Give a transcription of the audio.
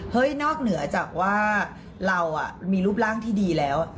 นอกเหนือจากว่าเรามีรูปร่างที่ดีแล้ว